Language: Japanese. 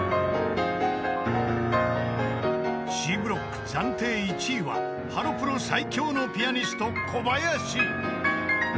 ［Ｃブロック暫定１位はハロプロ最強のピアニスト小林］